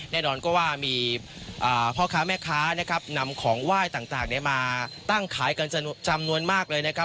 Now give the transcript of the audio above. แน่นอนก็ว่ามีพ่อค้าแม่ค้านะครับนำของไหว้ต่างมาตั้งขายกันจำนวนมากเลยนะครับ